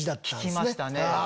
効きましたね。